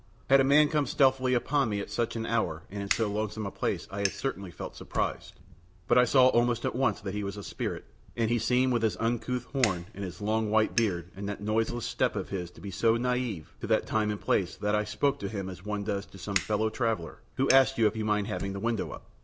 Had a man come stealthily upon me at such an hour and in so lonesome a place I had certainly felt surprised; but I saw almost at once that he was a spirit, and he seemed with his uncouth horn and his long white beard and that noiseless step of his to be so native to that time and place that I spoke to him as one does to some fellow traveller who asks you if you mind having the window up.